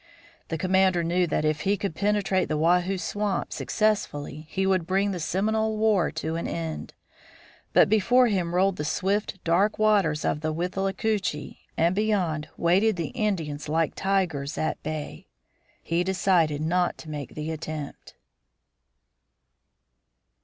The commander knew that if he could penetrate the Wahoo swamp successfully he would bring the Seminole War to an end; but before him rolled the swift dark waters of the Withlacoochee, and beyond waited the Indians like tigers at bay. He decided not to make the attempt.